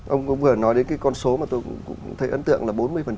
ông vừa nói đến cái con số mà tôi thấy ấn tượng là bốn mươi